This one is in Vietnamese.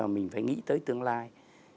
mình phải nghĩ tới tương lai